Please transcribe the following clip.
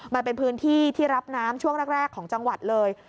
มันเป็นพื้นที่ที่รับน้ำช่วงแรกของจังหวัดเลย